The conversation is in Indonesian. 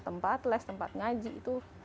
tempat les tempat ngaji itu